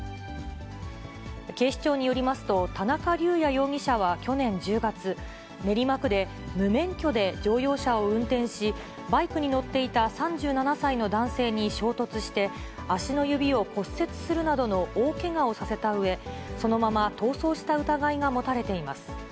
警視庁によりますと、田中龍也容疑者は去年１０月、練馬区で無免許で乗用車を運転し、バイクに乗っていた３７歳の男性に衝突して、足の指を骨折するなどの大けがをさせたうえ、そのまま逃走した疑いが持たれています。